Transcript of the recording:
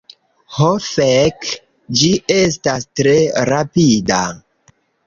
Ho fek, ĝi estas tre rapida.